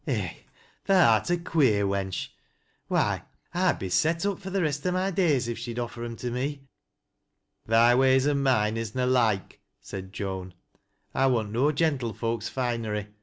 ? Eh ! tha art a queer wench ! Wliy ON OUABD, 95 I'd be set up for th' rest o' my days, if Bhe'd offer 'em to me." " Thy ways an' mine is na loike," said Joan. " I wanl no gentlefolks finery.